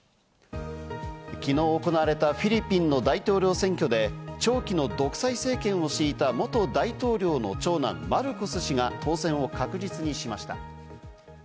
昨日行われたフィリピンの大統領選挙で長期の独裁政権を敷いた元大統領の長男・マルコス氏が当選を確実にしました。